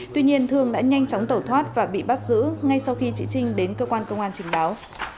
tuy nhiên thương đã nhanh chóng tẩu thoát và bị bắt giữ ngay sau khi chị trinh đến cơ quan công an trình báo